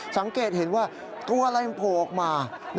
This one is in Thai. สังเกตเห็นว่าตัวอะไรมันโผล่ออกมา